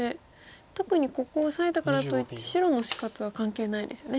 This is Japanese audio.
特にここをオサえたからといって白の死活は関係ないですよね。